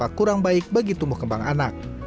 rasa kurang baik bagi tumbuh kembang anak